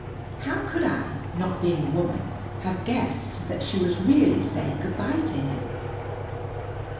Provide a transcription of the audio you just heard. How could I, not being a woman, have guessed that she was really saying good bye to him?